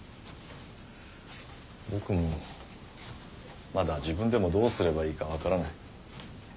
僕もまだ自分でもどうすればいいか分からない。